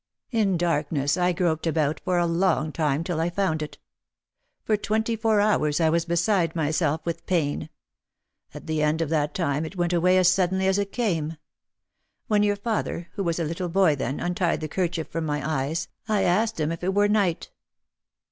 In darkness I groped about for long time, till I found it. For twenty four hours I was beside myself with pain. At the end of that time it went away as suddenly as it came. When your father, who was a little boy then, untied the kerchief from my eyes I asked him if it were night.